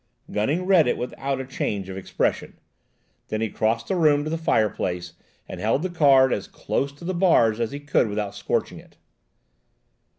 Gunning read it without a change of expression. Then he crossed the room to the fire place and held the card as close to the bars as he could without scorching it.